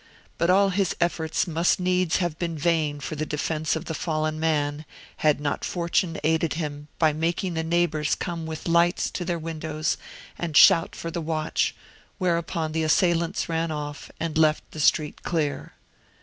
But all his efforts must needs have been vain for the defence of the fallen man, had not Fortune aided him, by making the neighbours come with lights to their windows and shout for the watch, whereupon the assailants ran off and left the street clear.